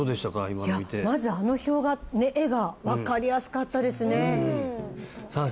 今の見てまずあの表が絵が分かりやすかったですねさあ